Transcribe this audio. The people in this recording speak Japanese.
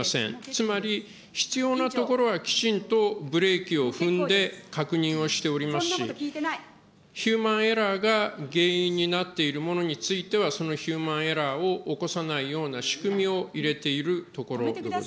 つまり必要なところは、きちんとブレーキを踏んで確認をしておりますし、ヒューマンエラーが原因になっているものについては、そのヒューマンエラーを起こさないような仕組みを入れているとこ